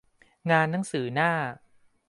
งานหนังสือหน้า